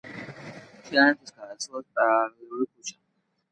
თიანეთის გზატკეცილის პარალელური ქუჩა.